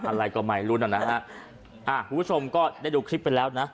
อะไรก็ไม่รู้น่ะนะฮะอ่าคุณผู้ชมก็ได้ดูคลิปไปแล้วนะ